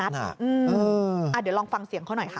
เดี๋ยวลองฟังเสียงเขาหน่อยค่ะ